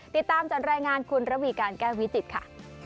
ติดตามจากรายงานคุณระวีการแก้วิจิตรค่ะ